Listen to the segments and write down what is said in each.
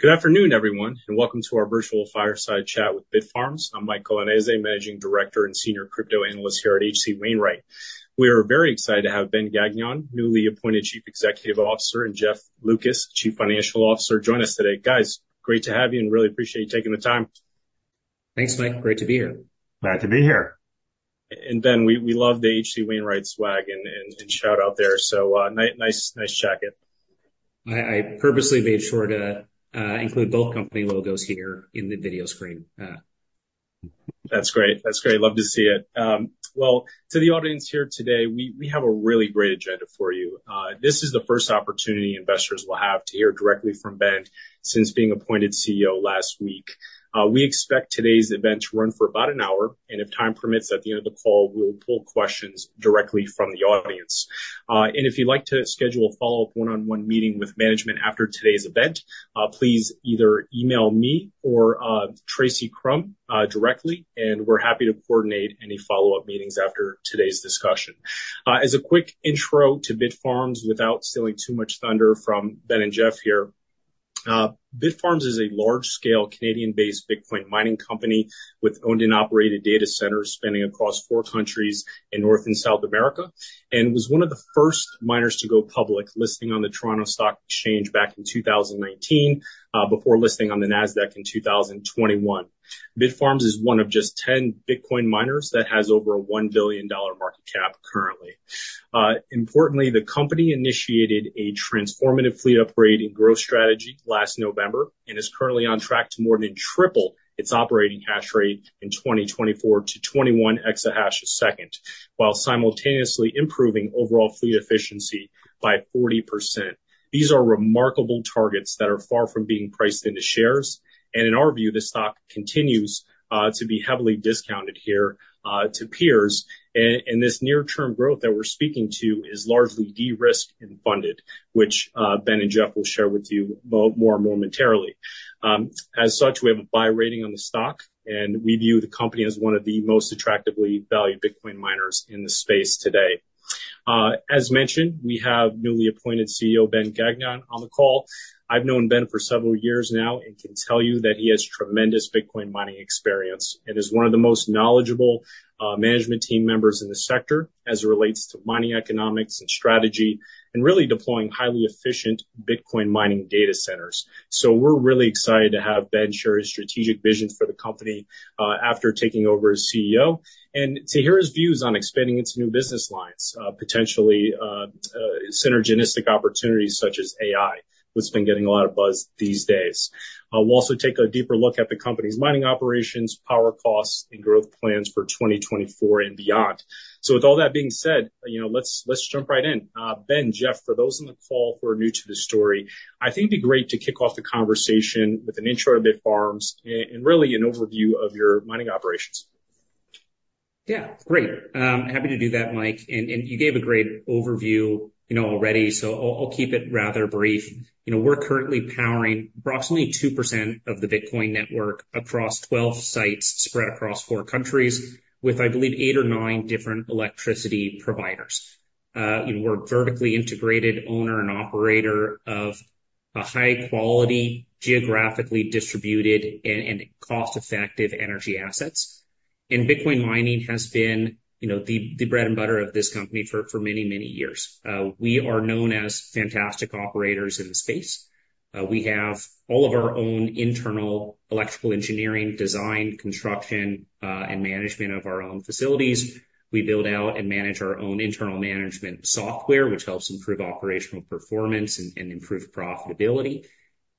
Good afternoon, everyone, and welcome to our virtual fireside chat with Bitfarms. I'm Mike Colonnese, Managing Director and Senior Crypto Analyst here at H.C. Wainwright. We are very excited to have Ben Gagnon, newly appointed Chief Executive Officer, and Jeff Lucas, Chief Financial Officer, join us today. Guys, great to have you, and really appreciate you taking the time. Thanks, Mike. Great to be here. Glad to be here. Ben, we love the H.C. Wainwright swag and shout out there. So, nice jacket. I purposely made sure to include both company logos here in the video screen. That's great. That's great. Love to see it. Well, to the audience here today, we have a really great agenda for you. This is the first opportunity investors will have to hear directly from Ben since being appointed CEO last week. We expect today's event to run for about an hour, and if time permits, at the end of the call, we'll pull questions directly from the audience. And if you'd like to schedule a follow-up one-on-one meeting with management after today's event, please either email me or Tracy Krumme directly, and we're happy to coordinate any follow-up meetings after today's discussion. As a quick intro to Bitfarms, without stealing too much thunder from Ben and Jeff here, Bitfarms is a large-scale, Canadian-based Bitcoin mining company with owned and operated data centers spanning across four countries in North and South America, and was one of the first miners to go public, listing on the Toronto Stock Exchange back in 2019, before listing on the NASDAQ in 2021. Bitfarms is one of just 10 Bitcoin miners that has over a $1 billion market cap currently. Importantly, the company initiated a transformative fleet upgrade and growth strategy last November and is currently on track to more than triple its operating hash rate in 2024 to 21 exahash a second, while simultaneously improving overall fleet efficiency by 40%. These are remarkable targets that are far from being priced into shares, and in our view, the stock continues to be heavily discounted here to peers. And this near-term growth that we're speaking to is largely de-risked and funded, which Ben and Jeff will share with you more momentarily. As such, we have a buy rating on the stock, and we view the company as one of the most attractively valued Bitcoin miners in the space today. As mentioned, we have newly appointed CEO, Ben Gagnon, on the call. I've known Ben for several years now and can tell you that he has tremendous Bitcoin mining experience and is one of the most knowledgeable management team members in the sector as it relates to mining economics and strategy and really deploying highly efficient Bitcoin mining data centers. So we're really excited to have Ben share his strategic vision for the company after taking over as CEO, and to hear his views on expanding into new business lines potentially synergistic opportunities such as AI, which has been getting a lot of buzz these days. We'll also take a deeper look at the company's mining operations, power costs, and growth plans for 2024 and beyond. So with all that being said, you know, let's jump right in. Ben, Jeff, for those on the call who are new to this story, I think it'd be great to kick off the conversation with an intro to Bitfarms and really an overview of your mining operations. Yeah, great. Happy to do that, Mike. And, and you gave a great overview, you know, already, so I'll, I'll keep it rather brief. You know, we're currently powering approximately 2% of the Bitcoin network across 12 sites, spread across four countries, with, I believe, eight or nine different electricity providers. We're a vertically integrated owner and operator of a high quality, geographically distributed, and, and cost-effective energy assets. And Bitcoin mining has been, you know, the, the bread and butter of this company for, for many, many years. We are known as fantastic operators in the space. We have all of our own internal electrical engineering, design, construction, and management of our own facilities. We build out and manage our own internal management software, which helps improve operational performance and, and improve profitability.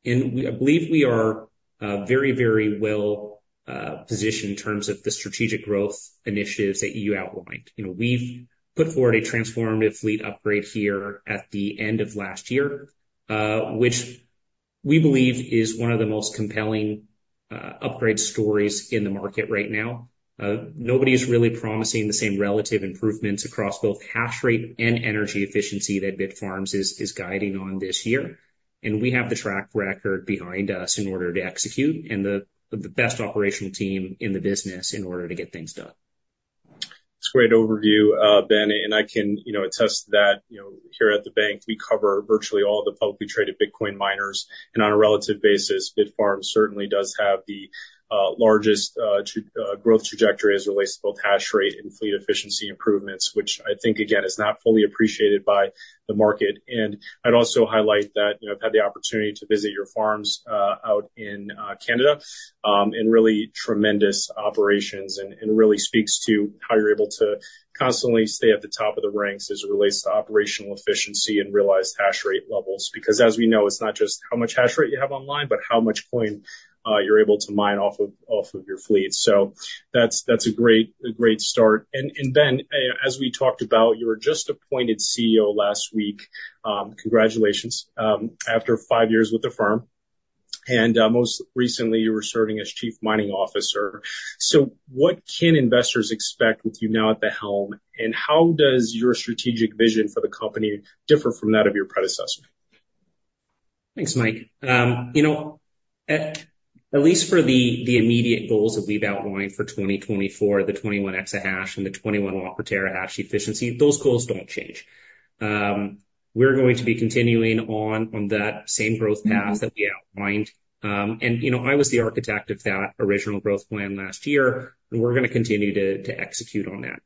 I believe we are very, very well positioned in terms of the strategic growth initiatives that you outlined. You know, we've put forward a transformative fleet upgrade here at the end of last year, which we believe is one of the most compelling upgrade stories in the market right now. Nobody is really promising the same relative improvements across both hash rate and energy efficiency that Bitfarms is guiding on this year. And we have the track record behind us in order to execute and the best operational team in the business in order to get things done. It's a great overview, Ben, and I can, you know, attest to that. You know, here at the bank, we cover virtually all the publicly traded Bitcoin miners, and on a relative basis, Bitfarms certainly does have the largest growth trajectory as it relates to both hash rate and fleet efficiency improvements, which I think, again, is not fully appreciated by the market. I'd also highlight that, you know, I've had the opportunity to visit your farms out in Canada, and really tremendous operations, and really speaks to how you're able to constantly stay at the top of the ranks as it relates to operational efficiency and realized hash rate levels. Because as we know, it's not just how much hash rate you have online, but how much coin you're able to mine off of your fleet. So that's a great start. And Ben, as we talked about, you were just appointed CEO last week, congratulations, after five years with the firm, and most recently, you were serving as Chief Mining Officer. So what can investors expect with you now at the helm, and how does your strategic vision for the company differ from that of your predecessor? Thanks, Mike. You know, at least for the immediate goals that we've outlined for 2024, the 21 exahash and the 21 W/TH efficiency, those goals don't change. We're going to be continuing on that same growth path that we outlined. You know, I was the architect of that original growth plan last year, and we're gonna continue to execute on that.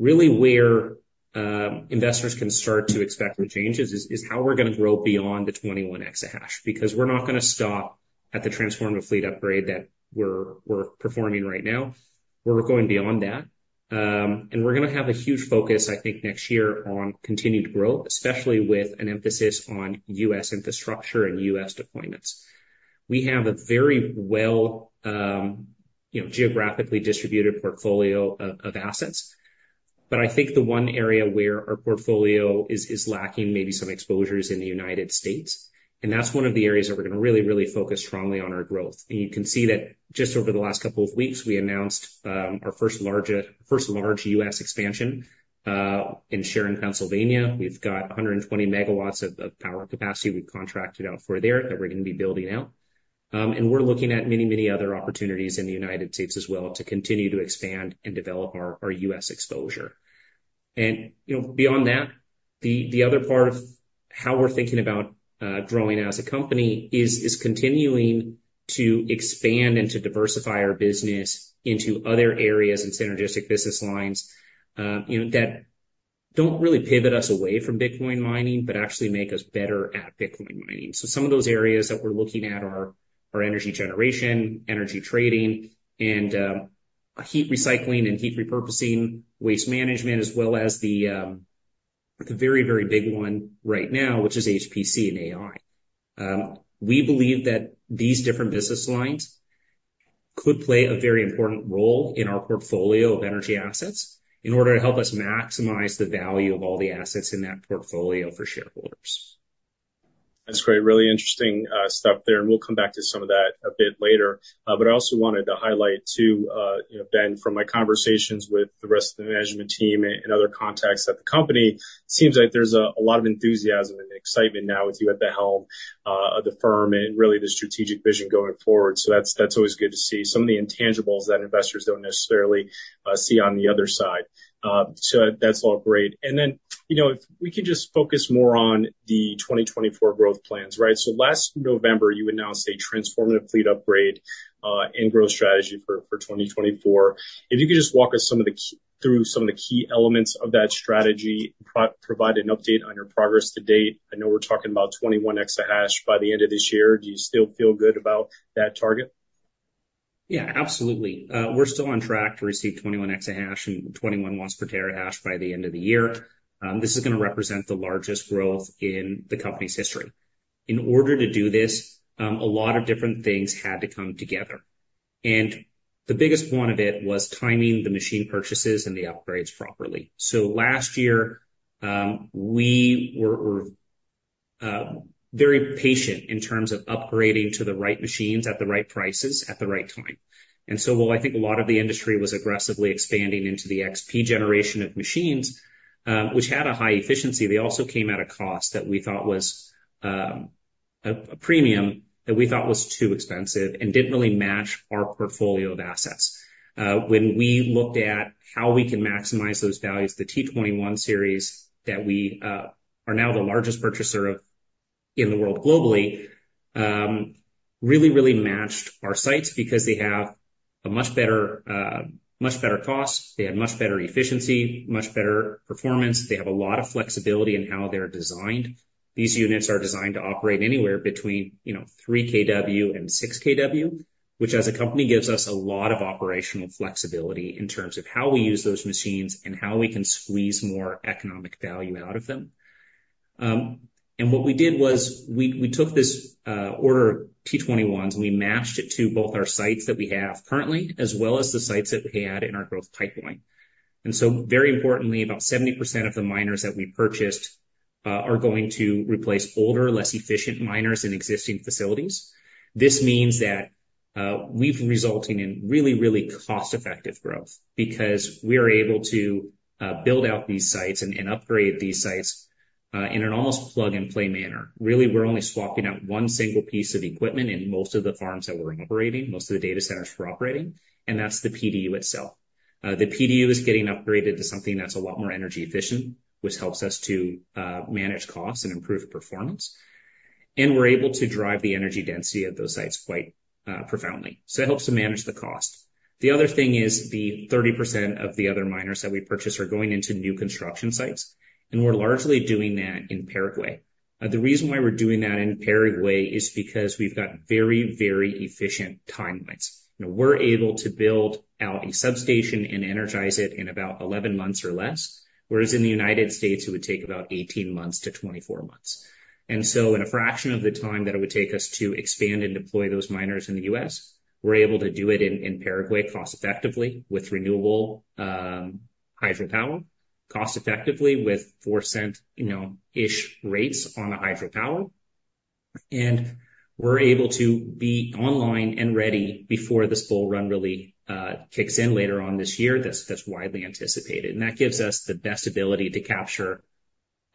Really where investors can start to expect the changes is how we're gonna grow beyond the 21 exahash, because we're not gonna stop at the transformative fleet upgrade that we're performing right now. We're going beyond that. We're gonna have a huge focus, I think, next year on continued growth, especially with an emphasis on U.S. infrastructure and U.S. deployments. We have a very well, you know, geographically distributed portfolio of assets. But I think the one area where our portfolio is lacking maybe some exposure is in the United States, and that's one of the areas that we're gonna really, really focus strongly on our growth. And you can see that just over the last couple of weeks, we announced our first large US expansion in Sharon, Pennsylvania. We've got 120 MW of power capacity we've contracted out for there that we're gonna be building out. And we're looking at many, many other opportunities in the United States as well to continue to expand and develop our US exposure. You know, beyond that, the other part of how we're thinking about growing as a company is continuing to expand and to diversify our business into other areas and synergistic business lines, you know, that don't really pivot us away from Bitcoin mining, but actually make us better at Bitcoin mining. So some of those areas that we're looking at are energy generation, energy trading, and heat recycling and heat repurposing, waste management, as well as the very, very big one right now, which is HPC and AI. We believe that these different business lines could play a very important role in our portfolio of energy assets in order to help us maximize the value of all the assets in that portfolio for shareholders. That's great. Really interesting, stuff there, and we'll come back to some of that a bit later. But I also wanted to highlight too, you know, Ben, from my conversations with the rest of the management team and other contacts at the company, seems like there's a lot of enthusiasm and excitement now with you at the helm of the firm and really the strategic vision going forward. So that's, that's always good to see. Some of the intangibles that investors don't necessarily see on the other side. So that's all great. And then, you know, if we can just focus more on the 2024 growth plans, right? So last November, you announced a transformative fleet upgrade and growth strategy for 2024. If you could just walk us through some of the key elements of that strategy, provide an update on your progress to date. I know we're talking about 21 exahash by the end of this year. Do you still feel good about that target? Yeah, absolutely. We're still on track to receive 21 exahash and 21 watts per terahash by the end of the year. This is gonna represent the largest growth in the company's history. In order to do this, a lot of different things had to come together, and the biggest one of it was timing the machine purchases and the upgrades properly. So last year, we were very patient in terms of upgrading to the right machines at the right prices, at the right time. And so, while I think a lot of the industry was aggressively expanding into the XP generation of machines, which had a high efficiency, they also came at a cost that we thought was a premium, that we thought was too expensive and didn't really match our portfolio of assets. When we looked at how we can maximize those values, the T21 series, that we are now the largest purchaser of in the world globally, really, really matched our sites because they have a much better, much better cost, they had much better efficiency, much better performance. They have a lot of flexibility in how they're designed. These units are designed to operate anywhere between, you know, 3 kW and 6 kW, which, as a company, gives us a lot of operational flexibility in terms of how we use those machines and how we can squeeze more economic value out of them. And what we did was, we, we took this order of T21s, and we matched it to both our sites that we have currently, as well as the sites that we had in our growth pipeline. Very importantly, about 70% of the miners that we purchased are going to replace older, less efficient miners in existing facilities. This means that we've resulting in really, really cost-effective growth, because we are able to build out these sites and upgrade these sites in an almost plug-and-play manner. Really, we're only swapping out one single piece of equipment in most of the farms that we're operating, most of the data centers we're operating, and that's the PDU itself. The PDU is getting upgraded to something that's a lot more energy efficient, which helps us to manage costs and improve performance, and we're able to drive the energy density of those sites quite profoundly. It helps to manage the cost. The other thing is the 30% of the other miners that we purchase are going into new construction sites, and we're largely doing that in Paraguay. The reason why we're doing that in Paraguay is because we've got very, very efficient timelines. You know, we're able to build out a substation and energize it in about 11 months or less, whereas in the United States, it would take about 18 months to 24 months. And so in a fraction of the time that it would take us to expand and deploy those miners in the US, we're able to do it in Paraguay cost effectively with renewable hydropower, cost effectively with $0.04, you know, ish rates on the hydropower. And we're able to be online and ready before this bull run really kicks in later on this year. That's, that's widely anticipated, and that gives us the best ability to capture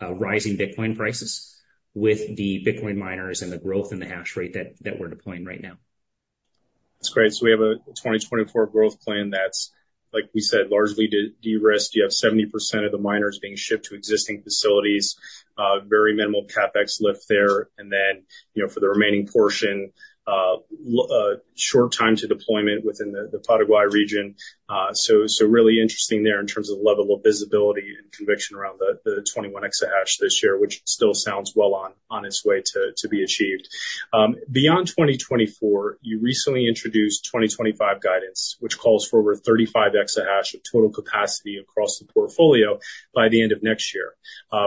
rising Bitcoin prices with the Bitcoin miners and the growth in the hash rate that, that we're deploying right now? That's great. So we have a 2024 growth plan that's, like we said, largely de-risked. You have 70% of the miners being shipped to existing facilities, very minimal CapEx lift there. And then, you know, for the remaining portion, short time to deployment within the Paraguay region. So really interesting there in terms of the level of visibility and conviction around the 21 exahash this year, which still sounds well on its way to be achieved. Beyond 2024, you recently introduced 2025 guidance, which calls for over 35 exahash of total capacity across the portfolio by the end of next year,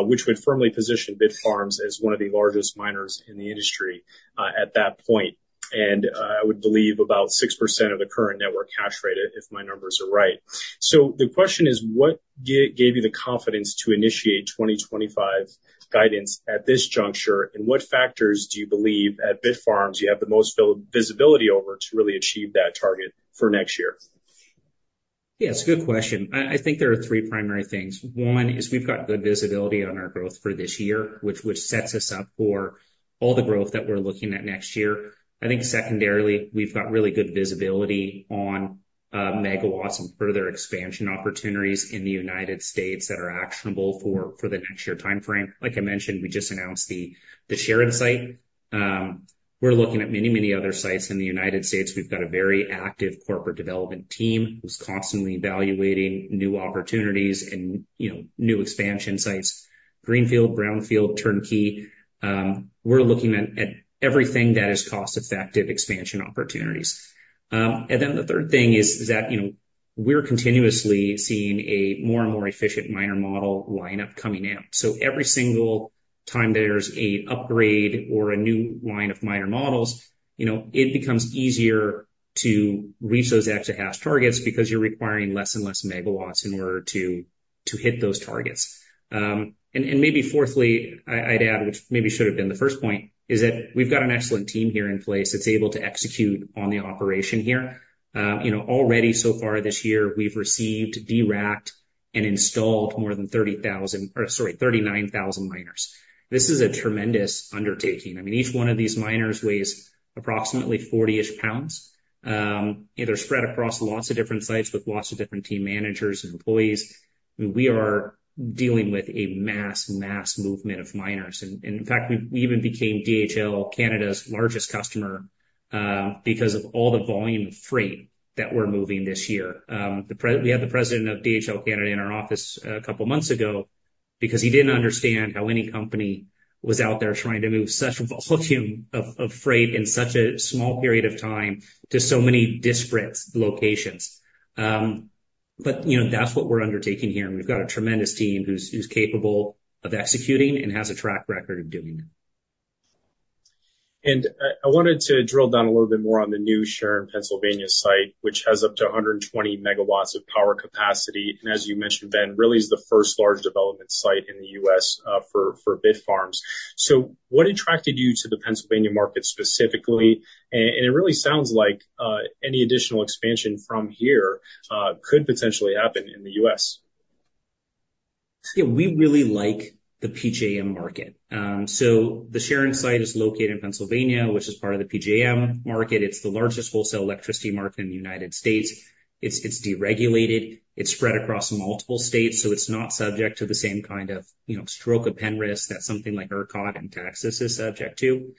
which would firmly position Bitfarms as one of the largest miners in the industry, at that point, and, I would believe about 6% of the current network hash rate, if my numbers are right. So the question is, what gave you the confidence to initiate 2025 guidance at this juncture? And what factors do you believe at Bitfarms you have the most visibility over to really achieve that target for next year? Yeah, it's a good question. I, I think there are three primary things. One, is we've got good visibility on our growth for this year, which, which sets us up for all the growth that we're looking at next year. I think secondarily, we've got really good visibility on megawatts and further expansion opportunities in the United States that are actionable for, for the next year timeframe. Like I mentioned, we just announced the, the Sharon site. We're looking at many, many other sites in the United States. We've got a very active corporate development team who's constantly evaluating new opportunities and, you know, new expansion sites, greenfield, brownfield, turnkey. We're looking at, at everything that is cost-effective expansion opportunities. And then the third thing is that, you know, we're continuously seeing a more and more efficient miner model lineup coming out. So every single time there's an upgrade or a new line of miner models, you know, it becomes easier to reach those exahash targets because you're requiring less and less megawatts in order to hit those targets. And maybe fourthly, I'd add, which maybe should have been the first point, is that we've got an excellent team here in place that's able to execute on the operation here. You know, already so far this year, we've received, de-racked, and installed more than 30,000... or sorry, 39,000 miners. This is a tremendous undertaking. I mean, each one of these miners weighs approximately 40-ish lbs, and they're spread across lots of different sites with lots of different team managers and employees. I mean, we are dealing with a mass, mass movement of miners. In fact, we even became DHL Canada's largest customer, because of all the volume of freight that we're moving this year. We had the president of DHL Canada in our office a couple months ago because he didn't understand how any company was out there trying to move such volume of freight in such a small period of time to so many disparate locations. But you know, that's what we're undertaking here, and we've got a tremendous team who's capable of executing and has a track record of doing it. I wanted to drill down a little bit more on the new Sharon, Pennsylvania site, which has up to 120 MW of power capacity, and as you mentioned, Ben, really is the first large development site in the U.S. for Bitfarms. So what attracted you to the Pennsylvania market specifically? And it really sounds like any additional expansion from here could potentially happen in the U.S. Yeah, we really like the PJM market. So the Sharon site is located in Pennsylvania, which is part of the PJM market. It's the largest wholesale electricity market in the United States. It's deregulated, it's spread across multiple states, so it's not subject to the same kind of, you know, stroke of pen risk that something like ERCOT in Texas is subject to.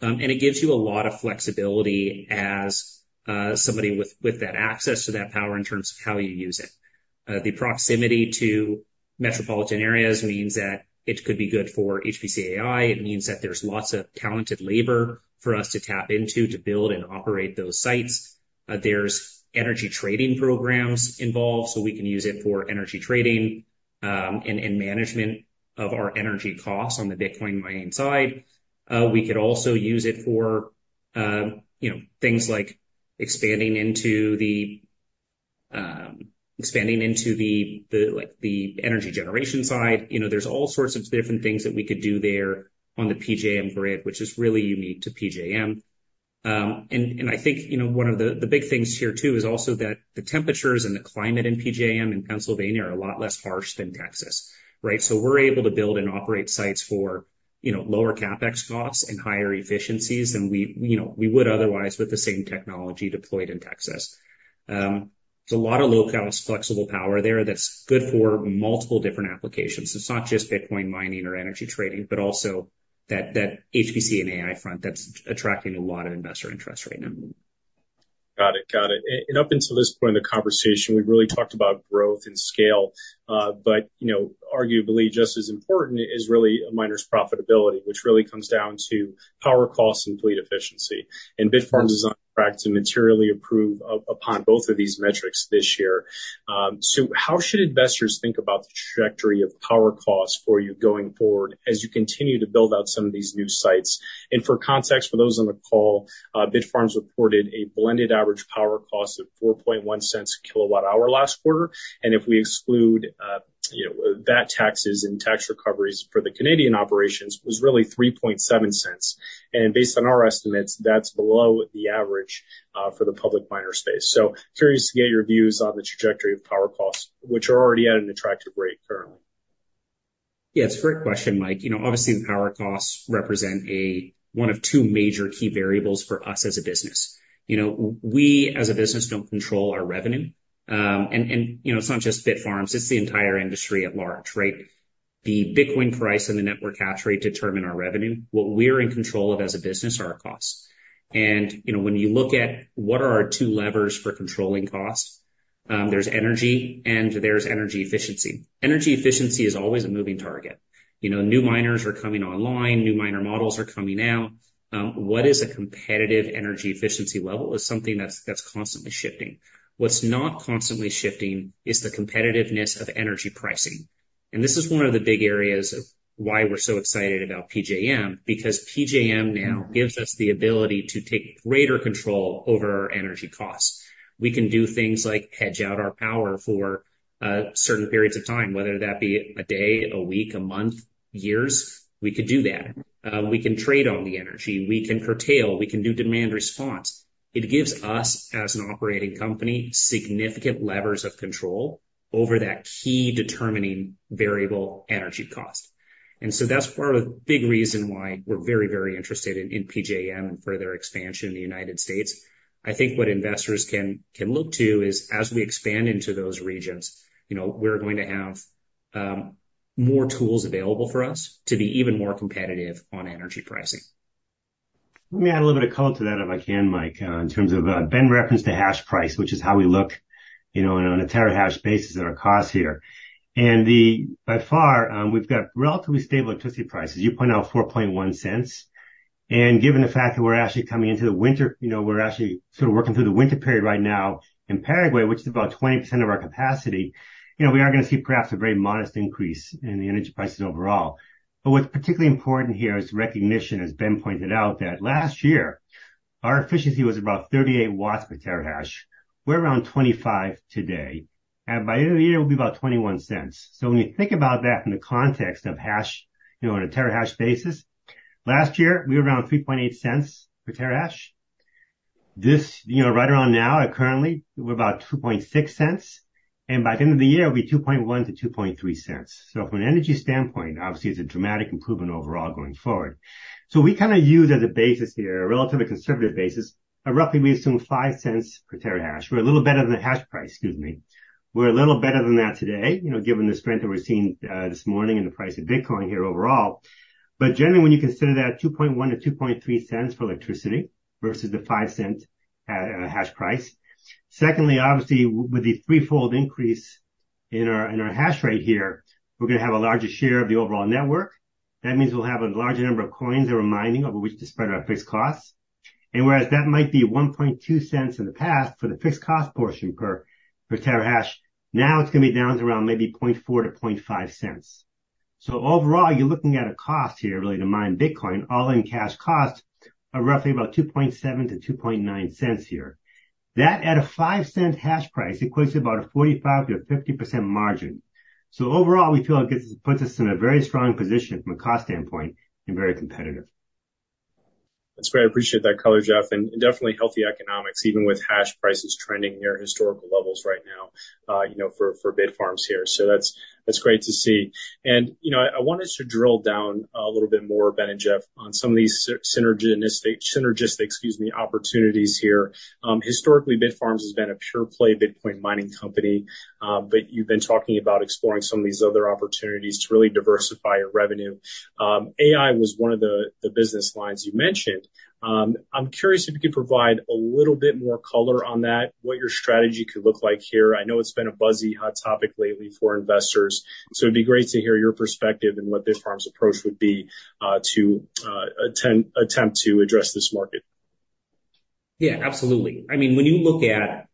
And it gives you a lot of flexibility as somebody with that access to that power in terms of how you use it. The proximity to metropolitan areas means that it could be good for HPC AI. It means that there's lots of talented labor for us to tap into to build and operate those sites. There's energy trading programs involved, so we can use it for energy trading, and management of our energy costs on the Bitcoin mining side. We could also use it for, you know, things like expanding into the energy generation side. You know, there's all sorts of different things that we could do there on the PJM grid, which is really unique to PJM. And I think, you know, one of the big things here, too, is also that the temperatures and the climate in PJM in Pennsylvania are a lot less harsh than Texas, right? So we're able to build and operate sites for, you know, lower CapEx costs and higher efficiencies than we, you know, would otherwise with the same technology deployed in Texas. There's a lot of low-cost, flexible power there that's good for multiple different applications. It's not just Bitcoin mining or energy trading, but also that HPC and AI front that's attracting a lot of investor interest right now. Got it. Got it. And up until this point in the conversation, we've really talked about growth and scale, but, you know, arguably just as important is really a miner's profitability, which really comes down to power costs and fleet efficiency. And Bitfarms is on track to materially improve upon both of these metrics this year. So how should investors think about the trajectory of power costs for you going forward as you continue to build out some of these new sites? And for context, for those on the call, Bitfarms reported a blended average power cost of $0.041/kWh last quarter, and if we exclude, you know, VAT taxes and tax recoveries for the Canadian operations, was really $0.037/kWh. Based on our estimates, that's below the average for the public miner space. Curious to get your views on the trajectory of power costs, which are already at an attractive rate currently.... Yeah, it's a great question, Mike. You know, obviously, the power costs represent a, one of two major key variables for us as a business. You know, we, as a business, don't control our revenue. And, you know, it's not just Bitfarms, it's the entire industry at large, right? The Bitcoin price and the network hash rate determine our revenue. What we're in control of as a business are our costs. And, you know, when you look at what are our two levers for controlling costs, there's energy and there's energy efficiency. Energy efficiency is always a moving target. You know, new miners are coming online, new miner models are coming out. What is a competitive energy efficiency level is something that's constantly shifting. What's not constantly shifting is the competitiveness of energy pricing. And this is one of the big areas of why we're so excited about PJM, because PJM now gives us the ability to take greater control over our energy costs. We can do things like hedge out our power for certain periods of time, whether that be a day, a week, a month, years, we could do that. We can trade on the energy, we can curtail, we can do demand response. It gives us, as an operating company, significant levers of control over that key determining variable energy cost. And so that's part of the big reason why we're very, very interested in PJM and further expansion in the United States. I think what investors can look to is, as we expand into those regions, you know, we're going to have more tools available for us to be even more competitive on energy pricing. Let me add a little bit of color to that, if I can, Mike, in terms of, Ben referenced the hash price, which is how we look, you know, on a terahash basis at our costs here. Bitfarms, we've got relatively stable electricity prices. You pointed out $0.041, and given the fact that we're actually coming into the winter, you know, we're actually sort of working through the winter period right now in Paraguay, which is about 20% of our capacity, you know, we are going to see perhaps a very modest increase in the energy prices overall. But what's particularly important here is recognition, as Ben pointed out, that last year, our efficiency was about 38 W/TH. We're around 25 today, and by the end of the year, it'll be about 21 W/TH. So when you think about that in the context of hash, you know, on a terahash basis, last year, we were around $0.038 per terahash. This, you know, right around now, currently, we're about $0.026, and by the end of the year, it'll be $0.021-$0.023. So from an energy standpoint, obviously, it's a dramatic improvement overall going forward. So we kind of use as a basis here, a relatively conservative basis, roughly we assume $0.05 per terahash. We're a little better than the hash price, excuse me. We're a little better than that today, you know, given the strength that we're seeing this morning and the price of Bitcoin here overall. But generally, when you consider that $0.021-$0.023 for electricity versus the $0.05 hash price. Secondly, obviously, with the threefold increase in our hash rate here, we're going to have a larger share of the overall network. That means we'll have a larger number of coins that we're mining over which to spread our fixed costs. And whereas that might be $0.012 in the past for the fixed cost portion per terahash, now it's going to be down to around maybe $0.004-$0.005. So overall, you're looking at a cost here really to mine Bitcoin; all-in cash costs are roughly about $0.027-$0.029 here. That, at a $0.05 hash price, equates to about a 45%-50% margin. So overall, we feel like this puts us in a very strong position from a cost standpoint and very competitive. That's great. I appreciate that color, Jeff, and definitely healthy economics, even with hash prices trending near historical levels right now, you know, for Bitfarms here. So that's great to see. And, you know, I wanted to drill down a little bit more, Ben and Jeff, on some of these synergistic, excuse me, opportunities here. Historically, Bitfarms has been a pure play Bitcoin mining company, but you've been talking about exploring some of these other opportunities to really diversify your revenue. AI was one of the business lines you mentioned. I'm curious if you could provide a little bit more color on that, what your strategy could look like here. I know it's been a buzzy, hot topic lately for investors, so it'd be great to hear your perspective and what Bitfarms' approach would be to attempt to address this market. Yeah, absolutely. I mean, when you look at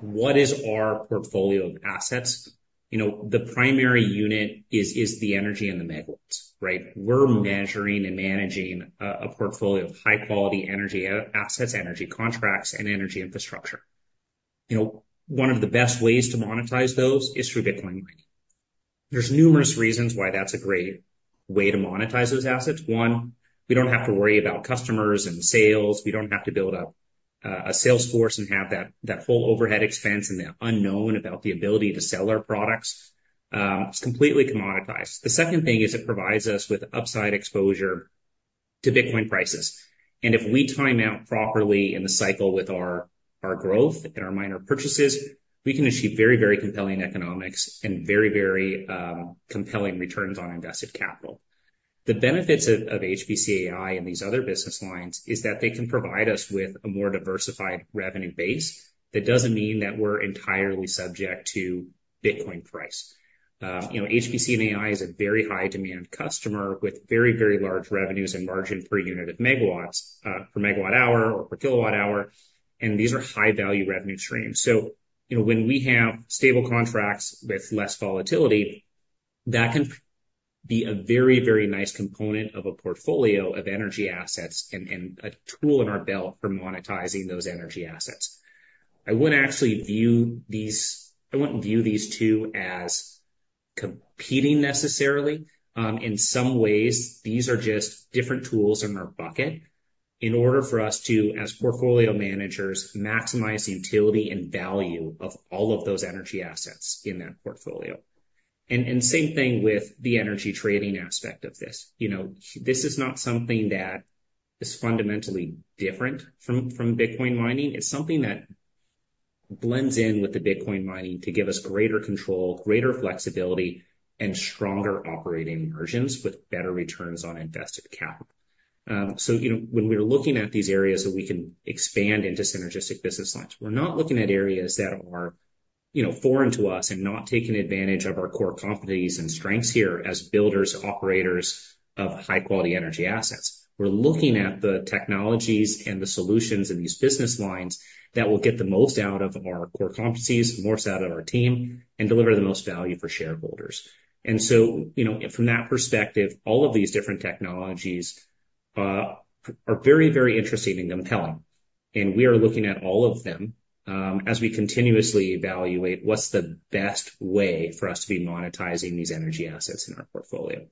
what is our portfolio of assets, you know, the primary unit is the energy and the megawatts, right? We're measuring and managing a portfolio of high-quality energy assets, energy contracts, and energy infrastructure. You know, one of the best ways to monetize those is through Bitcoin mining. There's numerous reasons why that's a great way to monetize those assets. One, we don't have to worry about customers and sales. We don't have to build up a sales force and have that full overhead expense and the unknown about the ability to sell our products. It's completely commoditized. The second thing is it provides us with upside exposure to Bitcoin prices, and if we time out properly in the cycle with our, our growth and our miner purchases, we can achieve very, very compelling economics and very, very, compelling returns on invested capital. The benefits of, of HPC and these other business lines is that they can provide us with a more diversified revenue base, that doesn't mean that we're entirely subject to Bitcoin price. You know, HPC and AI is a very high-demand customer with very, very large revenues and margin per unit of megawatts, per megawatt hour or per kilowatt hour, and these are high-value revenue streams. So, you know, when we have stable contracts with less volatility, that can be a very, very nice component of a portfolio of energy assets and a tool in our belt for monetizing those energy assets. I wouldn't actually view these two as competing necessarily. In some ways, these are just different tools in our bucket... in order for us to, as portfolio managers, maximize the utility and value of all of those energy assets in that portfolio. And same thing with the energy trading aspect of this. You know, this is not something that is fundamentally different from Bitcoin mining. It's something that blends in with the Bitcoin mining to give us greater control, greater flexibility, and stronger operating margins with better returns on invested capital. So, you know, when we're looking at these areas that we can expand into synergistic business lines, we're not looking at areas that are, you know, foreign to us and not taking advantage of our core competencies and strengths here as builders, operators of high-quality energy assets. We're looking at the technologies and the solutions in these business lines that will get the most out of our core competencies, the most out of our team, and deliver the most value for shareholders. And so, you know, from that perspective, all of these different technologies are very, very interesting and compelling, and we are looking at all of them as we continuously evaluate what's the best way for us to be monetizing these energy assets in our portfolio.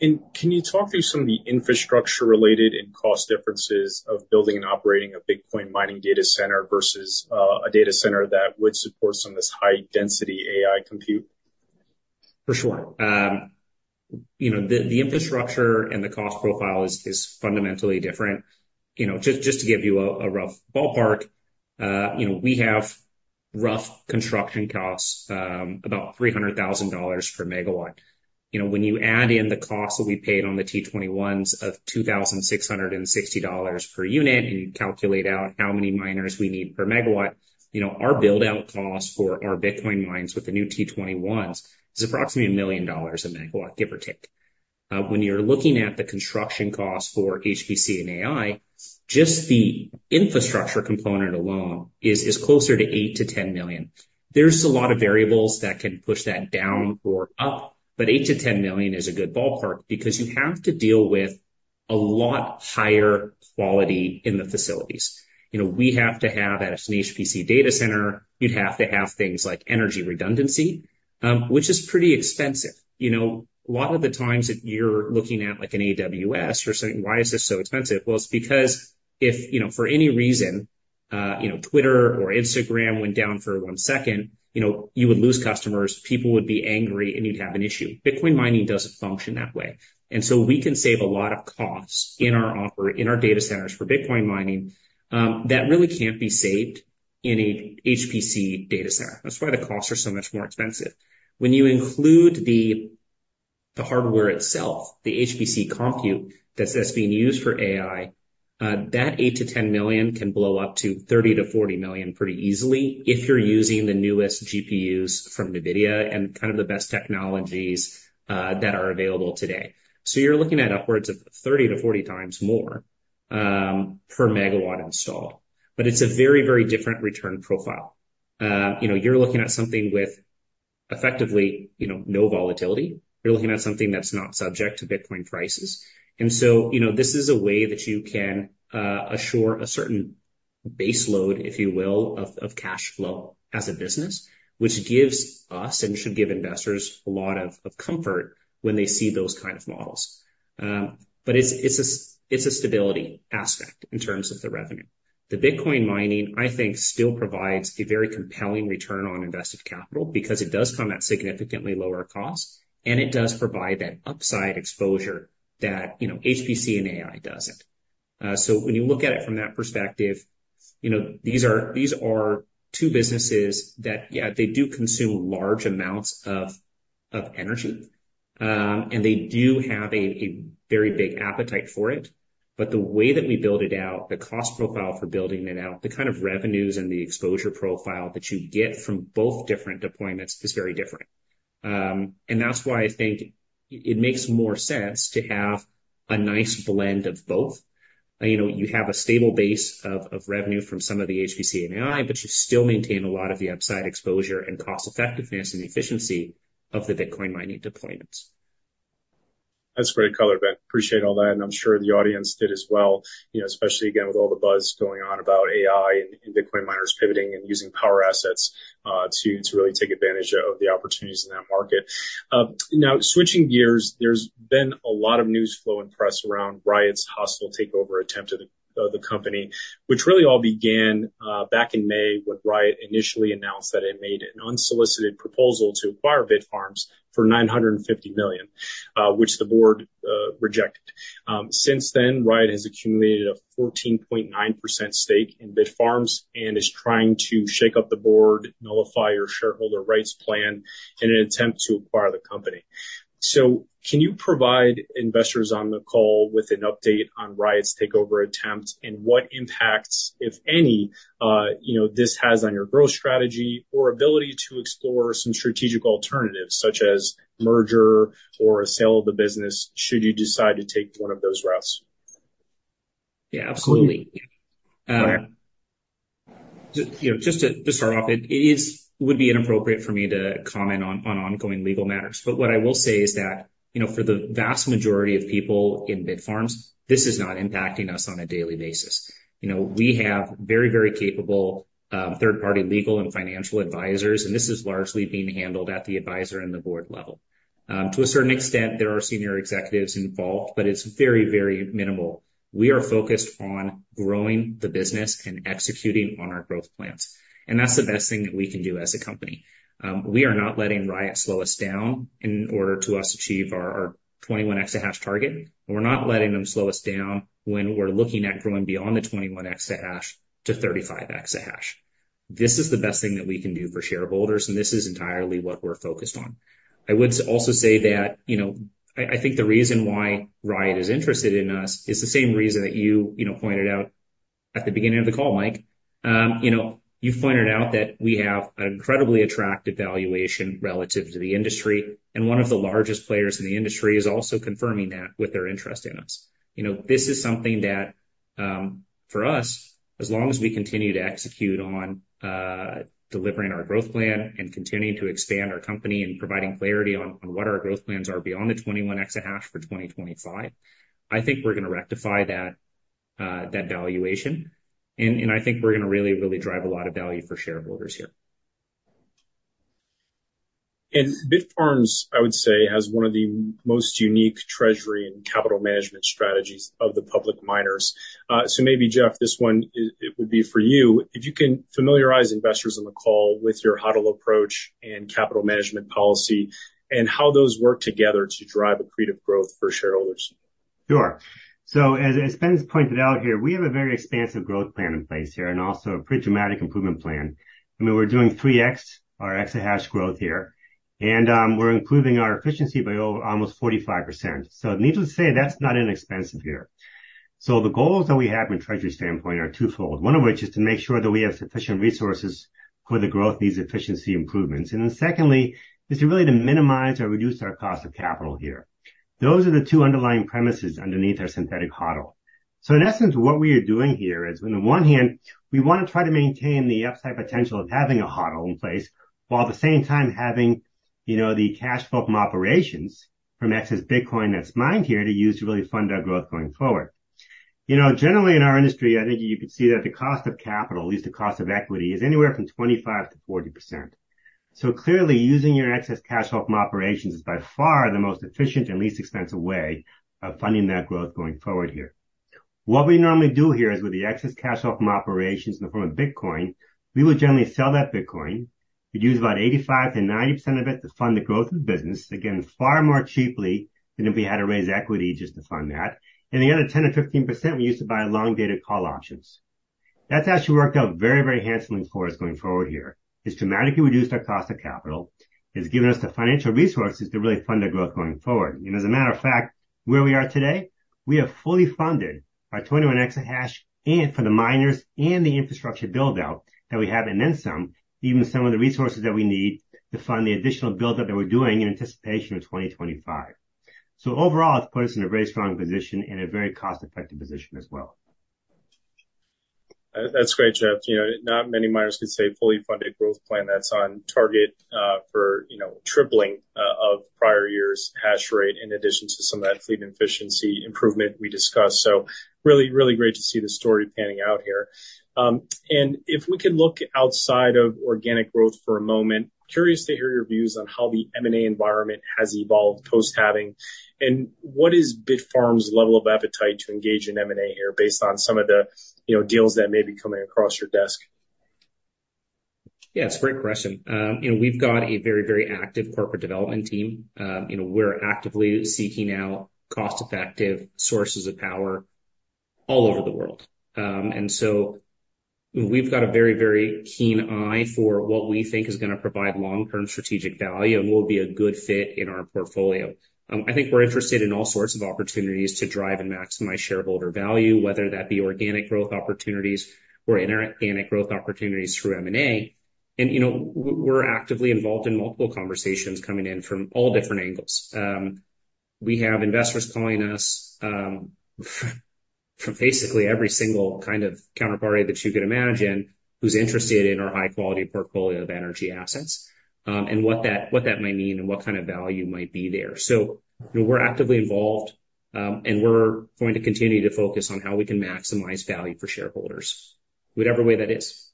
Can you talk through some of the infrastructure related and cost differences of building and operating a Bitcoin mining data center versus, a data center that would support some of this high-density AI compute? For sure. You know, the infrastructure and the cost profile is fundamentally different. You know, just to give you a rough ballpark, you know, we have rough construction costs about $300,000 per megawatt. You know, when you add in the cost that we paid on the T21s of $2,660 per unit and you calculate out how many miners we need per megawatt, you know, our build-out cost for our Bitcoin mines with the new T21s is approximately $1 million a megawatt, give or take. When you're looking at the construction costs for HPC and AI, just the infrastructure component alone is closer to $8 million-$10 million. There's a lot of variables that can push that down or up, but $8 million-$10 million is a good ballpark because you have to deal with a lot higher quality in the facilities. You know, we have to have, as an HPC data center, you'd have to have things like energy redundancy, which is pretty expensive. You know, a lot of the times, if you're looking at, like, an AWS, you're saying, "Why is this so expensive?" Well, it's because if, you know, for any reason, you know, Twitter or Instagram went down for one second, you know, you would lose customers, people would be angry, and you'd have an issue. Bitcoin mining doesn't function that way, and so we can save a lot of costs in our data centers for Bitcoin mining, that really can't be saved in a HPC data center. That's why the costs are so much more expensive. When you include the hardware itself, the HPC compute that's being used for AI, that $8-$10 million can blow up to $30-$40 million pretty easily if you're using the newest GPUs from NVIDIA and kind of the best technologies that are available today. So you're looking at upwards of 30-40 times more per megawatt installed, but it's a very, very different return profile. You know, you're looking at something with effectively no volatility. You're looking at something that's not subject to Bitcoin prices. So, you know, this is a way that you can assure a certain base load, if you will, of cash flow as a business, which gives us, and should give investors, a lot of comfort when they see those kind of models. But it's a stability aspect in terms of the revenue. The Bitcoin mining, I think, still provides a very compelling return on invested capital because it does come at significantly lower cost, and it does provide that upside exposure that, you know, HPC and AI doesn't. So when you look at it from that perspective, you know, these are two businesses that, yeah, they do consume large amounts of energy, and they do have a very big appetite for it. But the way that we build it out, the cost profile for building it out, the kind of revenues and the exposure profile that you get from both different deployments is very different. And that's why I think it, it makes more sense to have a nice blend of both. You know, you have a stable base of, of revenue from some of the HPC and AI, but you still maintain a lot of the upside exposure and cost effectiveness and efficiency of the Bitcoin mining deployments. That's great color, Ben. Appreciate all that, and I'm sure the audience did as well. You know, especially again, with all the buzz going on about AI and Bitcoin miners pivoting and using power assets to really take advantage of the opportunities in that market. Now, switching gears, there's been a lot of news flow and press around Riot's hostile takeover attempt of the company, which really all began back in May, when Riot initially announced that it made an unsolicited proposal to acquire Bitfarms for $950 million, which the board rejected. Since then, Riot has accumulated a 14.9% stake in Bitfarms and is trying to shake up the board, nullify your shareholder rights plan in an attempt to acquire the company. So can you provide investors on the call with an update on Riot's takeover attempt and what impacts, if any, you know, this has on your growth strategy or ability to explore some strategic alternatives, such as merger or a sale of the business, should you decide to take one of those routes? Yeah, absolutely. Okay. You know, just to start off, it would be inappropriate for me to comment on ongoing legal matters. But what I will say is that, you know, for the vast majority of people in Bitfarms, this is not impacting us on a daily basis. You know, we have very, very capable third-party legal and financial advisors, and this is largely being handled at the advisor and the board level. To a certain extent, there are senior executives involved, but it's very, very minimal. We are focused on growing the business and executing on our growth plans, and that's the best thing that we can do as a company. We are not letting Riot slow us down in order for us to achieve our 21 exahash target. We're not letting them slow us down when we're looking at growing beyond the 21 exahash to 35 exahash. This is the best thing that we can do for shareholders, and this is entirely what we're focused on. I would also say that, you know, I, I think the reason why Riot is interested in us is the same reason that you, you know, pointed out at the beginning of the call, Mike. You know, you pointed out that we have an incredibly attractive valuation relative to the industry, and one of the largest players in the industry is also confirming that with their interest in us. You know, this is something that, for us, as long as we continue to execute on, delivering our growth plan and continuing to expand our company and providing clarity on, on what our growth plans are beyond the 21 exahash for 2025, I think we're gonna rectify that, that valuation. And, and I think we're gonna really, really drive a lot of value for shareholders here. Bitfarms, I would say, has one of the most unique treasury and capital management strategies of the public miners. So maybe, Jeff, this one, it would be for you. If you can familiarize investors on the call with your HODL approach and capital management policy, and how those work together to drive accretive growth for shareholders. Sure. So as Ben's pointed out here, we have a very expansive growth plan in place here and also a pretty dramatic improvement plan. I mean, we're doing 3x our exahash growth here, and we're improving our efficiency by over almost 45%. So needless to say, that's not inexpensive here. So the goals that we have from a treasury standpoint are twofold. One of which is to make sure that we have sufficient resources for the growth, these efficiency improvements. And then secondly, is really to minimize or reduce our cost of capital here. Those are the two underlying premises underneath our Synthetic HODL. So in essence, what we are doing here is, on the one hand, we want to try to maintain the upside potential of having a HODL in place, while at the same time having, you know, the cash flow from operations from excess Bitcoin that's mined here to use to really fund our growth going forward. You know, generally, in our industry, I think you could see that the cost of capital, at least the cost of equity, is anywhere from 25%-40%. So clearly, using your excess cash flow from operations is by far the most efficient and least expensive way of funding that growth going forward here. What we normally do here is, with the excess cash flow from operations in the form of Bitcoin, we will generally sell that Bitcoin. We use about 85%-90% of it to fund the growth of the business, again, far more cheaply than if we had to raise equity just to fund that. The other 10%-15%, we use to buy long-dated call options. That's actually worked out very, very handsomely for us going forward here. It's dramatically reduced our cost of capital. It's given us the financial resources to really fund our growth going forward. As a matter of fact, where we are today, we have fully funded our 21 exahash, and for the miners and the infrastructure build-out that we have, and then some, even some of the resources that we need to fund the additional build-out that we're doing in anticipation of 2025. So overall, it's put us in a very strong position and a very cost-effective position as well. That's great, Jeff. You know, not many miners can say fully funded growth plan that's on target for, you know, tripling of prior years' hash rate in addition to some of that fleet efficiency improvement we discussed. So really, really great to see the story panning out here. And if we could look outside of organic growth for a moment, curious to hear your views on how the M&A environment has evolved post-halving. And what is Bitfarms' level of appetite to engage in M&A here based on some of the, you know, deals that may be coming across your desk? Yeah, it's a great question. You know, we've got a very, very active corporate development team. You know, we're actively seeking out cost-effective sources of power all over the world. And so we've got a very, very keen eye for what we think is gonna provide long-term strategic value and will be a good fit in our portfolio. I think we're interested in all sorts of opportunities to drive and maximize shareholder value, whether that be organic growth opportunities or inorganic growth opportunities through M&A. And, you know, we're actively involved in multiple conversations coming in from all different angles. We have investors calling us, from basically every single kind of counterparty that you can imagine, who's interested in our high-quality portfolio of energy assets, and what that might mean and what kind of value might be there. So, you know, we're actively involved, and we're going to continue to focus on how we can maximize value for shareholders, whatever way that is.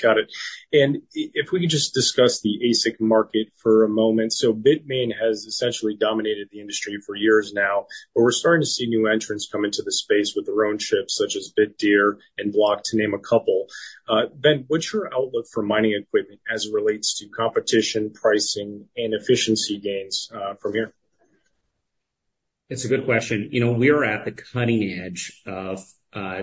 Got it. Got it. And if we could just discuss the ASIC market for a moment. Bitmain has essentially dominated the industry for years now, but we're starting to see new entrants come into the space with their own chips, such as Bitdeer and Block, to name a couple. Ben, what's your outlook for mining equipment as it relates to competition, pricing, and efficiency gains, from here? It's a good question. You know, we are at the cutting edge of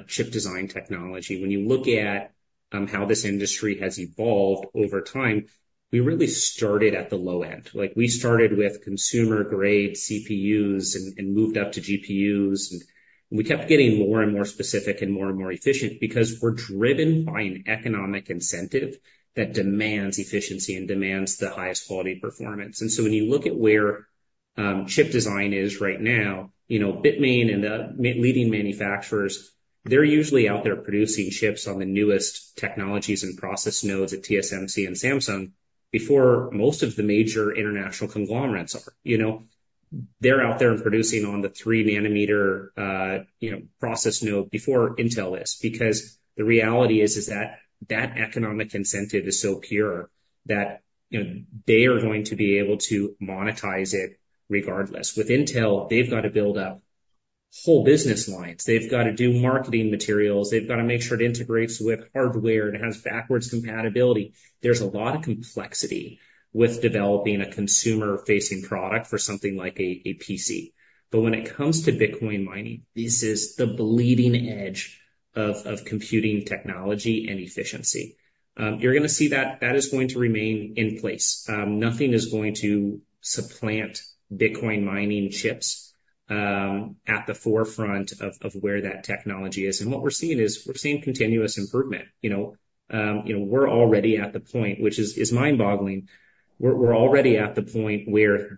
chip design technology. When you look at how this industry has evolved over time, we really started at the low end. Like, we started with consumer-grade CPUs and moved up to GPUs, and we kept getting more and more specific and more and more efficient because we're driven by an economic incentive that demands efficiency and demands the highest quality performance. And so when you look at where chip design is right now, you know, Bitmain and the leading manufacturers, they're usually out there producing chips on the newest technologies and process nodes at TSMC and Samsung before most of the major international conglomerates are. You know, they're out there and producing on the 3-nanometer process node before Intel is, because the reality is that that economic incentive is so pure... that, you know, they are going to be able to monetize it regardless. With Intel, they've got to build up whole business lines. They've got to do marketing materials. They've got to make sure it integrates with hardware and it has backwards compatibility. There's a lot of complexity with developing a consumer-facing product for something like a PC. But when it comes to Bitcoin mining, this is the bleeding edge of computing technology and efficiency. You're going to see that that is going to remain in place. Nothing is going to supplant Bitcoin mining chips at the forefront of where that technology is. And what we're seeing is, we're seeing continuous improvement. You know, you know, we're already at the point, which is mind-boggling. We're already at the point where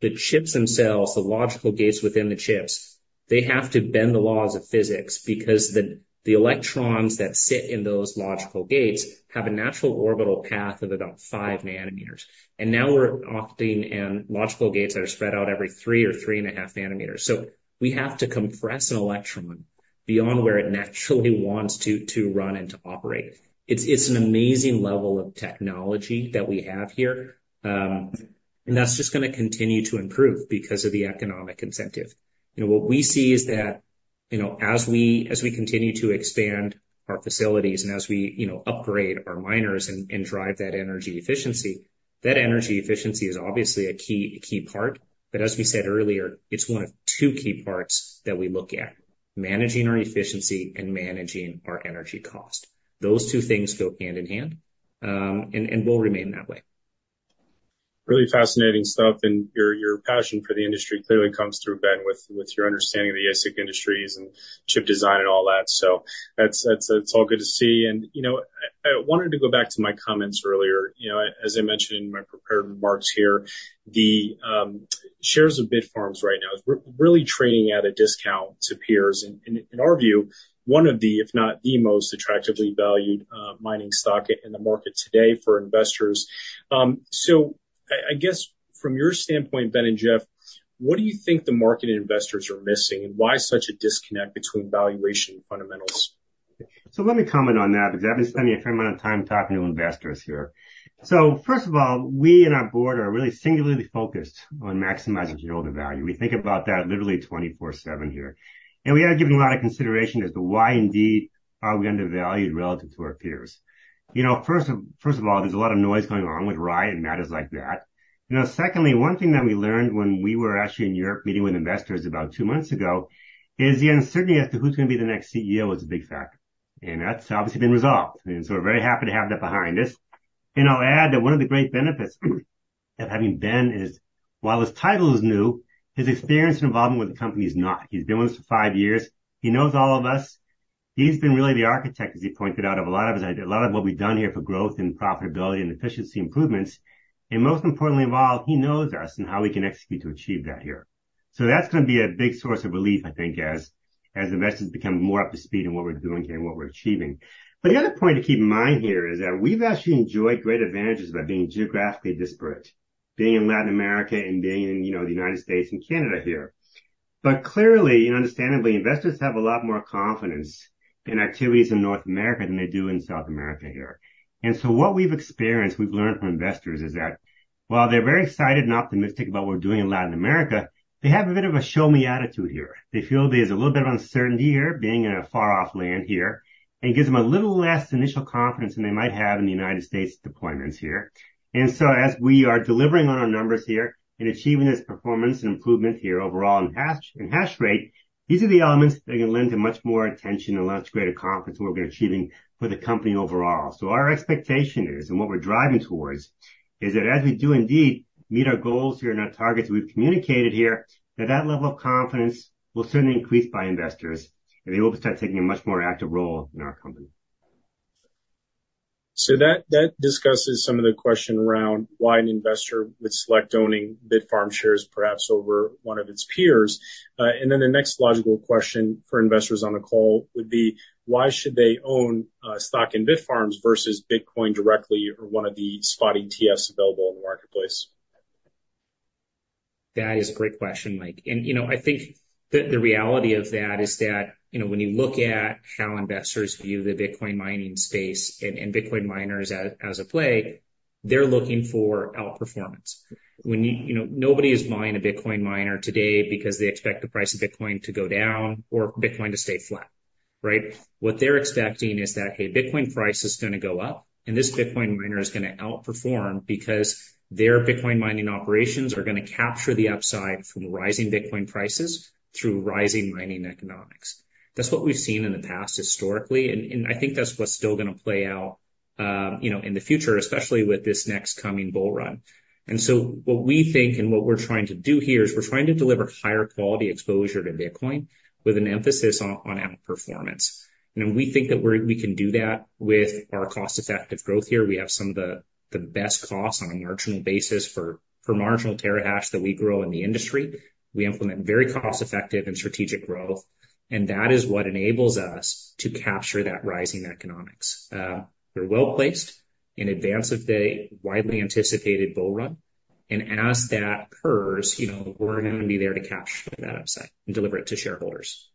the chips themselves, the logical gates within the chips, they have to bend the laws of physics because the electrons that sit in those logical gates have a natural orbital path of about 5 nanometers. And now we're opting in logical gates that are spread out every 3 or 3.5 nanometers. So we have to compress an electron beyond where it naturally wants to run and to operate. It's an amazing level of technology that we have here, and that's just going to continue to improve because of the economic incentive. You know, what we see is that, you know, as we continue to expand our facilities and as we, you know, upgrade our miners and drive that energy efficiency, that energy efficiency is obviously a key part. But as we said earlier, it's one of two key parts that we look at: managing our efficiency and managing our energy cost. Those two things go hand in hand, and will remain that way. Really fascinating stuff, and your passion for the industry clearly comes through, Ben, with your understanding of the ASIC industries and chip design and all that. So that's all good to see. And, you know, I wanted to go back to my comments earlier. You know, as I mentioned in my prepared remarks here, the shares of Bitfarms right now is really trading at a discount to peers. In our view, one of the, if not the most attractively valued mining stock in the market today for investors. So I guess from your standpoint, Ben and Jeff, what do you think the market and investors are missing, and why such a disconnect between valuation and fundamentals? So let me comment on that, because I've been spending a fair amount of time talking to investors here. So first of all, we and our board are really singularly focused on maximizing shareholder value. We think about that literally 24/7 here, and we have given a lot of consideration as to why indeed are we undervalued relative to our peers. You know, first of all, there's a lot of noise going on with Riot and matters like that. You know, secondly, one thing that we learned when we were actually in Europe meeting with investors about two months ago, is the uncertainty as to who's going to be the next CEO is a big factor, and that's obviously been resolved, and so we're very happy to have that behind us. I'll add that one of the great benefits of having Ben is, while his title is new, his experience and involvement with the company is not. He's been with us for five years. He knows all of us. He's been really the architect, as he pointed out, of a lot of his ideas, a lot of what we've done here for growth and profitability and efficiency improvements, and most importantly of all, he knows us and how we can execute to achieve that here. So that's going to be a big source of relief, I think, as investors become more up to speed on what we're doing here and what we're achieving. But the other point to keep in mind here is that we've actually enjoyed great advantages by being geographically disparate, being in Latin America and being in, you know, the United States and Canada here. But clearly and understandably, investors have a lot more confidence in activities in North America than they do in South America here. And so what we've experienced, we've learned from investors is that while they're very excited and optimistic about what we're doing in Latin America, they have a bit of a show-me attitude here. They feel there's a little bit of uncertainty here, being in a far-off land here, and it gives them a little less initial confidence than they might have in the United States deployments here. And so as we are delivering on our numbers here and achieving this performance and improvement here overall in hash, in hash rate, these are the elements that are going to lend to much more attention and much greater confidence in what we're achieving for the company overall. Our expectation is, and what we're driving towards, is that as we do indeed meet our goals here and our targets we've communicated here, that that level of confidence will certainly increase by investors, and they will start taking a much more active role in our company. So that discusses some of the question around why an investor would select owning Bitfarms shares, perhaps over one of its peers. And then the next logical question for investors on the call would be: Why should they own stock in Bitfarms versus Bitcoin directly or one of the spot ETFs available in the marketplace? That is a great question, Mike. You know, I think the reality of that is that, you know, when you look at how investors view the Bitcoin mining space and Bitcoin miners as a play, they're looking for outperformance. When you... You know, nobody is buying a Bitcoin miner today because they expect the price of Bitcoin to go down or Bitcoin to stay flat, right? What they're expecting is that, hey, Bitcoin price is going to go up, and this Bitcoin miner is going to outperform because their Bitcoin mining operations are going to capture the upside from rising Bitcoin prices through rising mining economics. That's what we've seen in the past historically, and I think that's what's still going to play out, you know, in the future, especially with this next coming bull run. What we think and what we're trying to do here is we're trying to deliver higher quality exposure to Bitcoin with an emphasis on outperformance. We think that we can do that with our cost-effective growth here. We have some of the best costs on a marginal basis for marginal terahash that we grow in the industry. We implement very cost-effective and strategic growth, and that is what enables us to capture that rising economics. We're well placed in advance of the widely anticipated bull run, and as that occurs, you know, we're going to be there to capture that upside and deliver it to shareholders. ...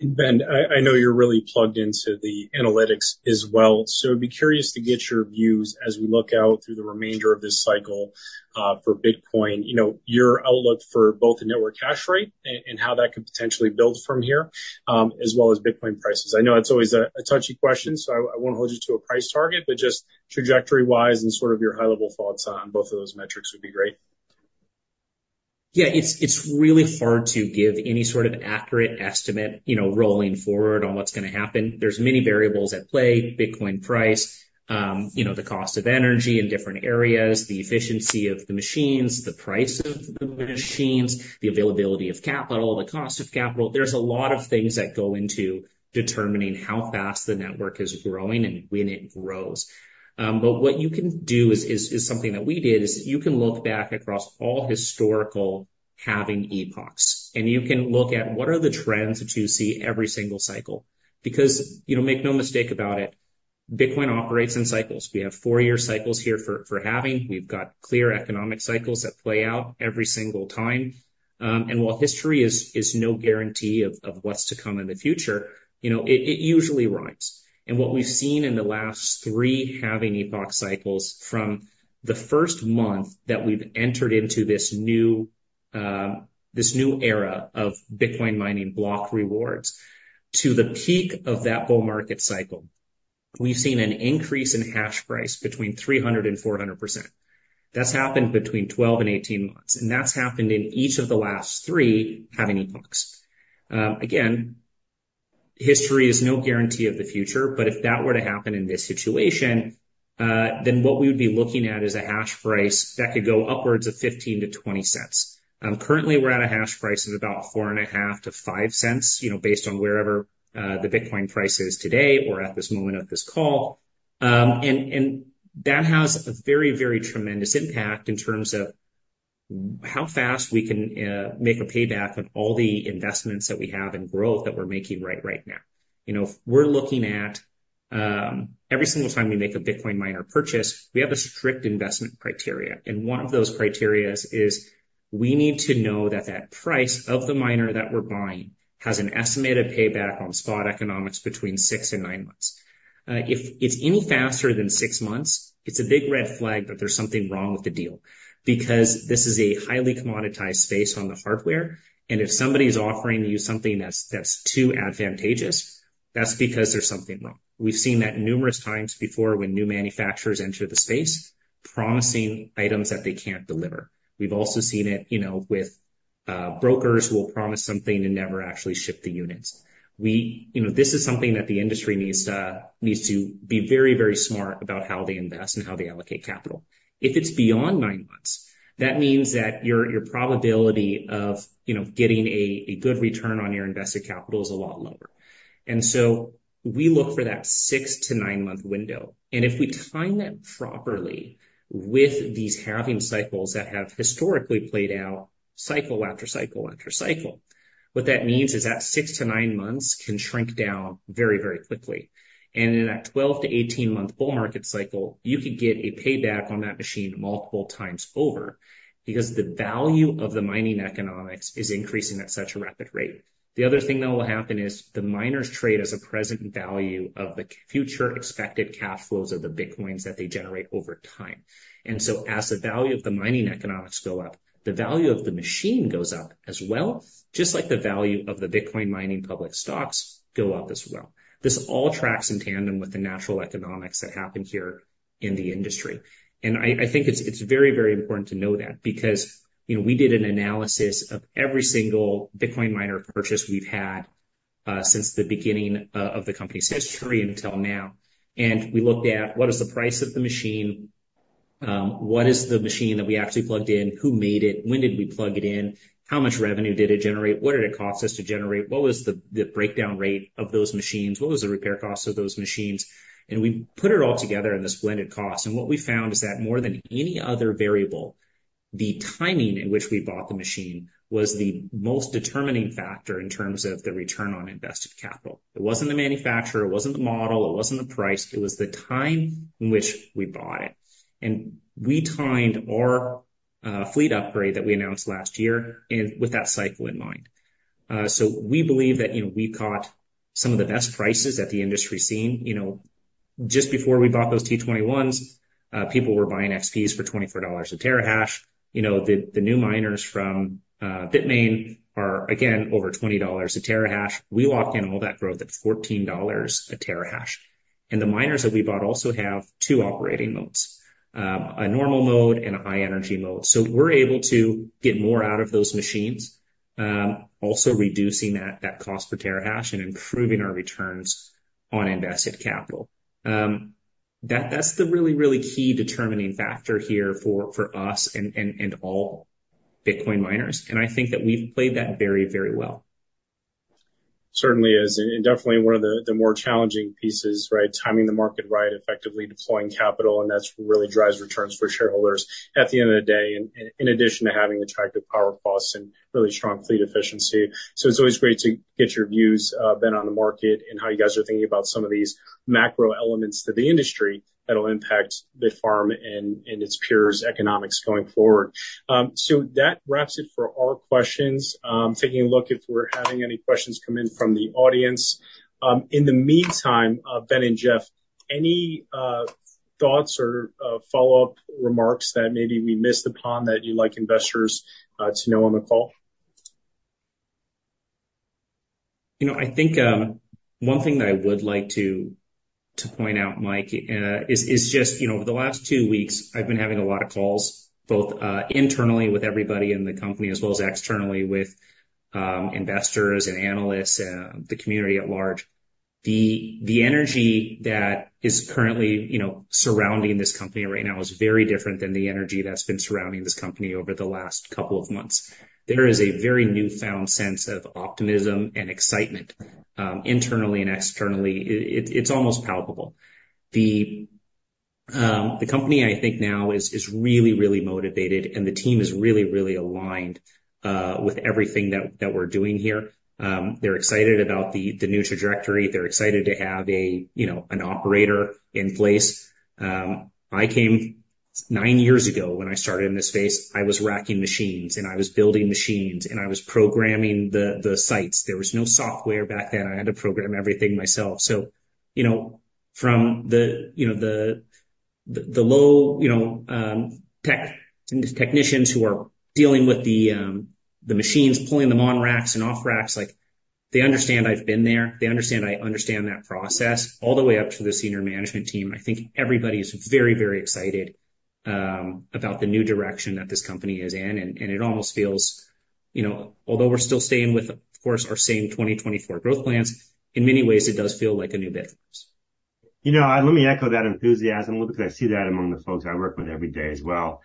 And Ben, I know you're really plugged into the analytics as well, so I'd be curious to get your views as we look out through the remainder of this cycle for Bitcoin. You know, your outlook for both the network hash rate and how that could potentially build from here, as well as Bitcoin prices. I know it's always a touchy question, so I won't hold you to a price target, but just trajectory-wise and sort of your high-level thoughts on both of those metrics would be great. Yeah, it's really hard to give any sort of accurate estimate, you know, rolling forward on what's gonna happen. There's many variables at play, Bitcoin price, you know, the cost of energy in different areas, the efficiency of the machines, the price of the machines, the availability of capital, the cost of capital. There's a lot of things that go into determining how fast the network is growing and when it grows. But what you can do is something that we did: you can look back across all historical halving epochs, and you can look at what are the trends that you see every single cycle. Because, you know, make no mistake about it, Bitcoin operates in cycles. We have four-year cycles here for halving. We've got clear economic cycles that play out every single time. While history is no guarantee of what's to come in the future, you know, it usually rhymes. What we've seen in the last three halving epoch cycles from the first month that we've entered into this new, this new era of Bitcoin mining block rewards to the peak of that bull market cycle, we've seen an increase in hash price between 300% and 400%. That's happened between 12 and 18 months, and that's happened in each of the last three halving epochs. Again, history is no guarantee of the future, but if that were to happen in this situation, then what we would be looking at is a hash price that could go upwards of $0.15-$0.20. Currently, we're at a hash price of about $0.045-$0.05, you know, based on wherever the Bitcoin price is today or at this moment of this call. And that has a very, very tremendous impact in terms of how fast we can make a payback on all the investments that we have and growth that we're making right now. You know, we're looking at every single time we make a Bitcoin miner purchase, we have a strict investment criteria, and one of those criteria is we need to know that that price of the miner that we're buying has an estimated payback on spot economics between 6 and 9 months. If it's any faster than six months, it's a big red flag that there's something wrong with the deal because this is a highly commoditized space on the hardware, and if somebody's offering you something that's, that's too advantageous, that's because there's something wrong. We've seen that numerous times before when new manufacturers enter the space, promising items that they can't deliver. We've also seen it, you know, with, uh, brokers who will promise something and never actually ship the units. You know, this is something that the industry needs to, needs to be very, very smart about how they invest and how they allocate capital. If it's beyond nine months, that means that your, your probability of, you know, getting a, a good return on your invested capital is a lot lower. And so we look for that six to nine-month window. And if we time that properly with these halving cycles that have historically played out cycle after cycle after cycle, what that means is that 6-9 months can shrink down very, very quickly. And in that 12-18-month bull market cycle, you could get a payback on that machine multiple times over because the value of the mining economics is increasing at such a rapid rate. The other thing that will happen is the miners trade as a present value of the future expected cash flows of the Bitcoins that they generate over time. And so as the value of the mining economics go up, the value of the machine goes up as well, just like the value of the Bitcoin mining public stocks go up as well. This all tracks in tandem with the natural economics that happen here in the industry. And I think it's very, very important to know that, because, you know, we did an analysis of every single Bitcoin miner purchase we've had since the beginning of the company's history until now. And we looked at what is the price of the machine, what is the machine that we actually plugged in? Who made it? When did we plug it in? How much revenue did it generate? What did it cost us to generate? What was the breakdown rate of those machines? What was the repair cost of those machines? And we put it all together in this blended cost. And what we found is that more than any other variable, the timing in which we bought the machine was the most determining factor in terms of the return on invested capital. It wasn't the manufacturer, it wasn't the model, it wasn't the price, it was the time in which we bought it. And we timed our fleet upgrade that we announced last year in with that cycle in mind. So we believe that, you know, we've got some of the best prices that the industry's seen. You know, just before we bought those T21s, people were buying XPs for $24 a terahash. You know, the new miners from Bitmain are, again, over $20 a terahash. We locked in all that growth at $14 a terahash. And the miners that we bought also have two operating modes, a normal mode and a high-energy mode. So we're able to get more out of those machines, also reducing that cost per terahash and improving our returns on invested capital. That, that's the really, really key determining factor here for us and all Bitcoin miners, and I think that we've played that very, very well. Certainly is, and definitely one of the more challenging pieces, right? Timing the market right, effectively deploying capital, and that's what really drives returns for shareholders at the end of the day, in addition to having attractive power costs and really strong fleet efficiency. So it's always great to get your views, Ben, on the market and how you guys are thinking about some of these macro elements to the industry that'll impact Bitfarms and its peers' economics going forward. So that wraps it for our questions. Taking a look if we're having any questions come in from the audience. In the meantime, Ben and Jeff... Any thoughts or follow-up remarks that maybe we missed upon that you'd like investors to know on the call? You know, I think, one thing that I would like to point out, Mike, is just, you know, over the last two weeks, I've been having a lot of calls, both internally with everybody in the company, as well as externally with investors and analysts and the community at large. The energy that is currently, you know, surrounding this company right now is very different than the energy that's been surrounding this company over the last couple of months. There is a very newfound sense of optimism and excitement internally and externally. It's almost palpable. The company, I think now, is really, really motivated, and the team is really, really aligned with everything that we're doing here. They're excited about the new trajectory. They're excited to have, you know, an operator in place. I came nine years ago. When I started in this space, I was racking machines, and I was building machines, and I was programming the sites. There was no software back then. I had to program everything myself. So, you know, from the low technicians who are dealing with the machines, pulling them on racks and off racks, like, they understand I've been there. They understand I understand that process, all the way up to the senior management team. I think everybody is very, very excited about the new direction that this company is in, and it almost feels, you know, although we're still staying with, of course, our same 2024 growth plans, in many ways, it does feel like a new Bit. You know, let me echo that enthusiasm a little bit, because I see that among the folks I work with every day as well.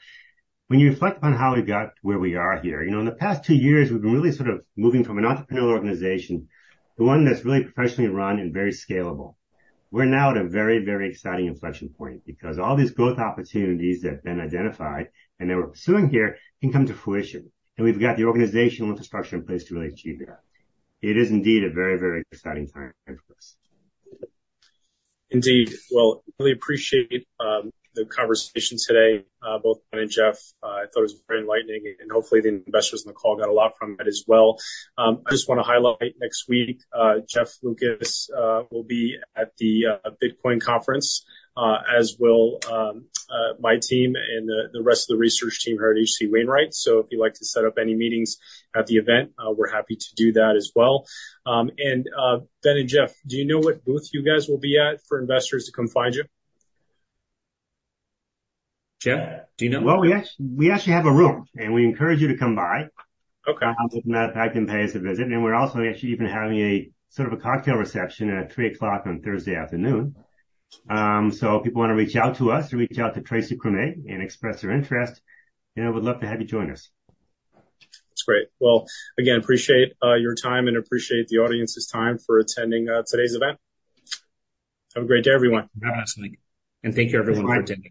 When you reflect upon how we got where we are here, you know, in the past two years, we've been really sort of moving from an entrepreneurial organization to one that's really professionally run and very scalable. We're now at a very, very exciting inflection point because all these growth opportunities that have been identified and that we're pursuing here can come to fruition, and we've got the organizational infrastructure in place to really achieve that. It is indeed a very, very exciting time for us. Indeed. Well, really appreciate the conversation today, both Ben and Jeff. I thought it was very enlightening, and hopefully, the investors on the call got a lot from it as well. I just want to highlight, next week, Jeff Lucas will be at the Bitcoin Conference, as will my team and the rest of the research team here at H.C. Wainwright. So if you'd like to set up any meetings at the event, we're happy to do that as well. And, Ben and Jeff, do you know what booth you guys will be at for investors to come finddd you? Jeff, do you know? Well, we actually, we actually have a room, and we encourage you to come by. Okay. As a matter of fact, and pay us a visit. We're also actually even having a sort of a cocktail reception at 3:00 P.M. on Thursday afternoon. So if people wanna reach out to us, reach out to Tracy Krumme and express their interest, and we'd love to have you join us. That's great. Well, again, appreciate your time and appreciate the audience's time for attending today's event. Have a great day, everyone. Absolutely. Thank you, everyone, for attending.